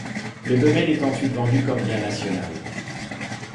Le domaine est ensuite vendu comme bien national.